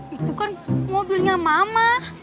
itu kan mobilnya mama